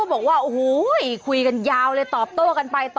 บ้าจริงเดี๋ยว